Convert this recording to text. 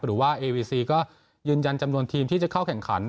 หรือว่าเอวีซีก็ยืนยันจำนวนทีมที่จะเข้าแข่งขัน